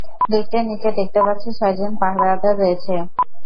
লিফটের নিচে দেখতে পাচ্ছি ছয়জন পাহারাদার রয়েছে।